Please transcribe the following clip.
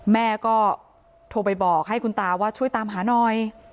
แม่ก็โทรไปบอกให้คุณตาว่าช่วยตามหาหน่อย